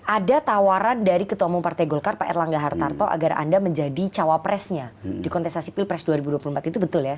ada tawaran dari ketua umum partai golkar pak erlangga hartarto agar anda menjadi cawapresnya di kontestasi pilpres dua ribu dua puluh empat itu betul ya